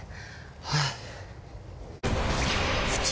はい。